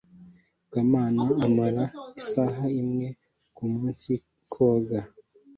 Akimana amara isaha imwe kumunsi koga.